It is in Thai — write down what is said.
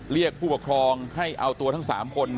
เรียกผู้ปกครองให้เอาตัวทั้ง๓คน